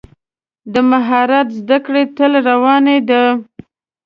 د مهارت زده کړه تل روانه ده.